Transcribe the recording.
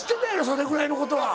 それぐらいのことは。